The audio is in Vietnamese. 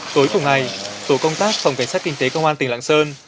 tối cùng ngày tổ công tác phòng cảnh sát kinh tế công an tỉnh lạng sơn